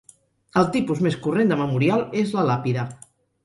El tipus més corrent de memorial és la làpida.